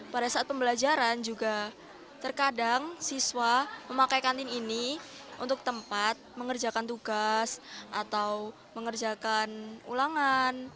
pada saat pembelajaran juga terkadang siswa memakai kantin ini untuk tempat mengerjakan tugas atau mengerjakan ulangan